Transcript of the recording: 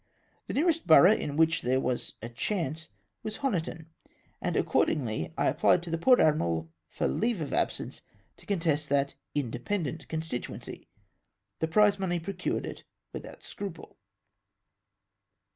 The ■ nearest borough in which there was a chance was Honiton, and accord ingly I apphed to the port admiral for leave of absence to contest that " independent " constituency. The prize money procured it without scruple.